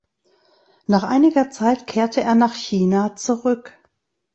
Nach einiger Zeit kehrte er nach China zurück.